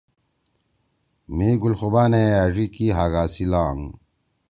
مھی گُل خُوبانے أڙی کی ہاگا سی لانگ